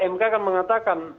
mk kan mengatakan